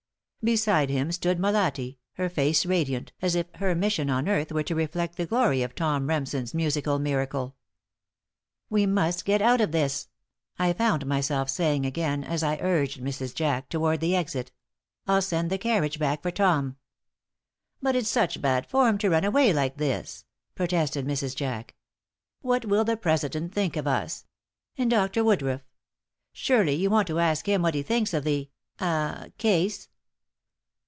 Beside him stood Molatti, her face radiant, as if her mission on earth were to reflect the glory of Tom Remsen's musical miracle. "We must get out of this," I found myself saying again, as I urged Mrs. Jack toward the exit. "I'll send the carriage back for Tom." "But it's such bad form to run away like this," protested Mrs. Jack. "What will the president think of us? And Dr. Woodruff! Surely you want to ask him what he thinks of the ah case."